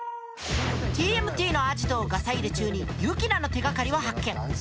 ＴＭＴのアジトをガサ入れ中にユキナの手がかりを発見。